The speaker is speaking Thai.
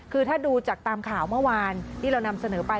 คือถ้าดูจากตามข่าวเมื่อวานที่เรานำเสนอไป